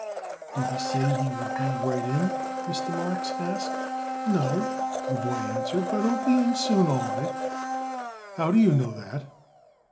"Did he say he would be right in?" Mr. Marks asked. "No," the boy answered, "but he'll be in soon, all right." "How do you know that?"